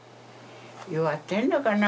弱ってんのかな？